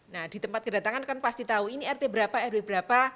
nah di tempat kedatangan kan pasti tahu ini rt berapa rw berapa